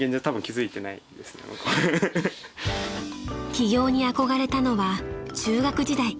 ［起業に憧れたのは中学時代］